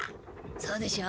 そうでしょう。